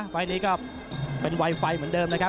ไฟล์นี้ก็เป็นไวไฟเหมือนเดิมนะครับ